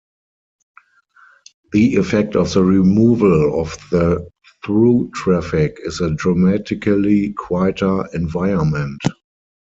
The effect of the removal of the through traffic is a dramatically quieter environment.